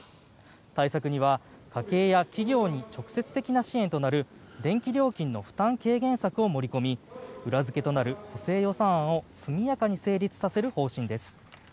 対策には家計や企業に直接的な支援となる電気料金の負担軽減策を盛り込み裏付けとなる補正予算案を速やかに成立させる方針です。